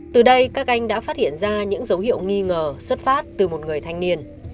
từ đây các anh đã phát hiện ra những dấu hiệu nghi ngờ xuất phát từ một người thanh niên